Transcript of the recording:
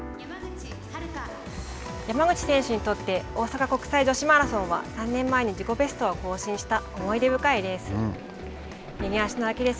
山口選手にとって大阪国際女子マラソンは３年前に自己ベストを更新した思い出深いレース。